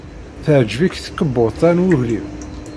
Teɛjeb-ik tkebbuḍt-a n weglim?